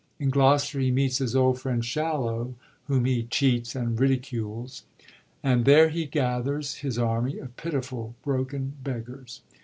In Gloster he meets his old friend Shallow, whom he cheats and ridicules ; and there he gathers his army of pitiful broken beggars.